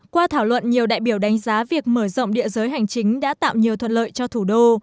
qua thảo luận nhiều đại biểu đánh giá việc mở rộng địa giới hành chính đã tạo nhiều thuận lợi cho thủ đô